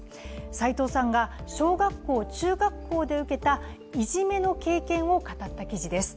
斉藤さんが小学校、中学校で受けたいじめの経験を語った記事です。